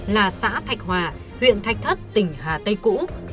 là xã thạch hòa huyện thạch thất tỉnh hà tây cũ